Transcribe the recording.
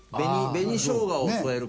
紅しょうがを添えて。